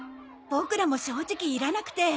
ボクらも正直いらなくて。